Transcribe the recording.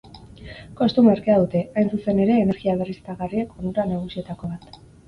Kostu merkea dute, hain zuzen ere, energia berriztagarriek onura nagusietako bat.